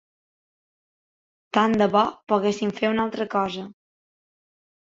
Tant de bo poguéssim fer una altra cosa.